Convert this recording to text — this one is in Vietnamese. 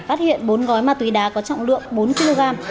phát hiện bốn gói mà tùy đá có trọng lượng bốn kg